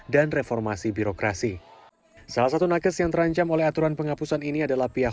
dan reformasi birokrasi salah satu nakes yang terancam oleh aturan penghapusan ini adalah pihak